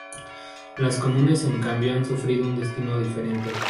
Las comunes en cambio han sufrido un destino diferente.